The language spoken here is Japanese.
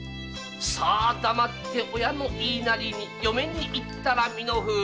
黙って親の言いなりに嫁にいったが身の不運。